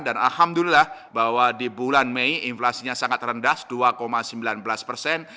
dan alhamdulillah bahwa di bulan mei inflasinya sangat rendah dua sembilan belas persen